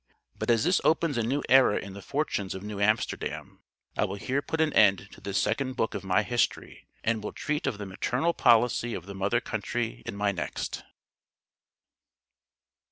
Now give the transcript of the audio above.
But as this opens a new era in the fortunes of New Amsterdam I will here put an end to this second book of my history, and will treat of the maternal policy of the mother country in my next.